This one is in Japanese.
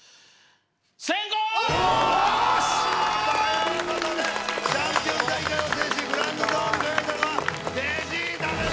よし！ということで「チャンピオン大会」を制しグランド座王に輝いたのはベジータです。